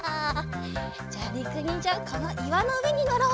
じゃありくにんじゃこのいわのうえにのろう！